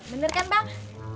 bener kan bang